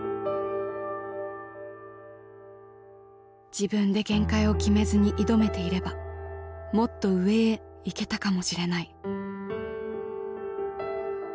自分で限界を決めずに挑めていればもっと上へ行けたかもしれない。